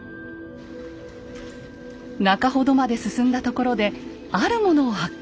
中ほどまで進んだところであるものを発見。